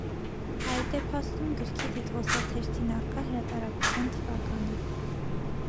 Այդ է փաստում գրքի տիտղոսաթերթին առկա հրատարակության թվականը։